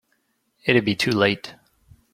It'd be too late.